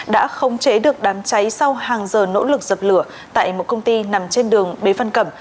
đã không chế được đám cháy sau hàng giờ nỗ lực dập lửa tại một công ty nằm trên đường bế văn cẩm